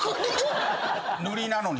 塗りなのに。